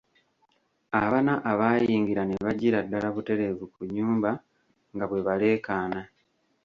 Abana abaayingira ne bajjira ddala butereevu ku nnyumba nga bwe baleekaana.